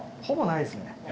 ほぼないですね。